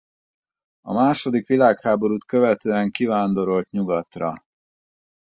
A második világháborút követően kivándorolt Nyugatra.